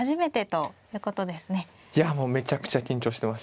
いやもうめちゃくちゃ緊張してます。